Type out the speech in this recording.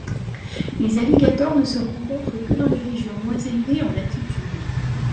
Les alligators ne se rencontrent que dans les régions moins élevées en latitude